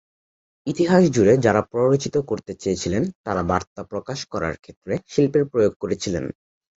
ইতিহাস জুড়ে যারা প্ররোচিত করতে চেয়েছিলেন তারা বার্তা প্রকাশ করার ক্ষেত্রে শিল্পের প্রয়োগ করেছিলেন।